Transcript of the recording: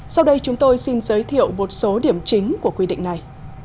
sau đây chúng tôi xin giới thiệu một số điểm chính của quy định này